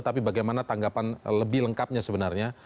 tapi bagaimana tanggapan lebih lengkapnya sebenarnya